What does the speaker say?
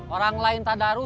orang lain tak daru